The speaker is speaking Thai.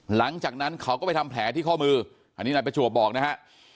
หลังจากนั้นเขาก็ไปทำแผลที่ข้อมืออันนี้นายประจวบบอกนะฮะ